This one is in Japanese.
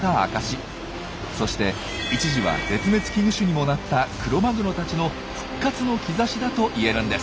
そして一時は絶滅危惧種にもなったクロマグロたちの復活の兆しだと言えるんです。